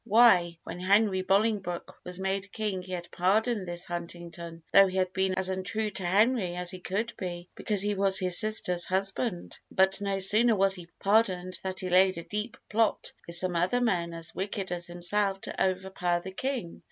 Why, when Henry Bolingbroke was made king he had pardoned this Huntington, though he had been as untrue to Henry as he could be, because he was his sister's husband. But no sooner was he pardoned than he laid a deep plot with some other men as wicked as himself to overpower the King.